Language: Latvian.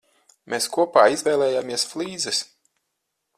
Mēs kopā izvēlējāmies flīzes.